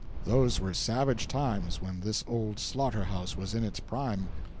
Those were savage times when this old slaughter house was in its prime.